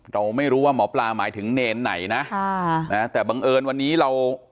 เราไม่รู้ว่าหมอปลาหมายถึงเนรไหนนะค่ะนะแต่บังเอิญวันนี้เรา